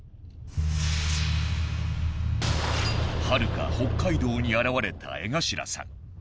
はるか北海道に現れた江頭さん。